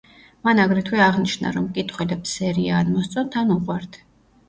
მან აგრეთვე აღნიშნა, რომ მკითხველებს სერია „ან მოსწონთ, ან უყვართ“.